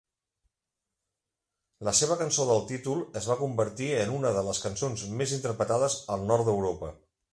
La seva cançó del títol es va convertir en una de les cançons més interpretades al nord d'Europa.